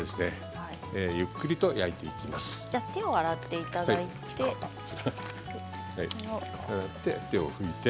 手を洗っていただきまして。